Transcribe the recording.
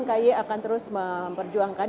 kai akan terus memperjuangkan